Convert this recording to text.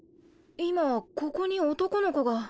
今ここに男の子が。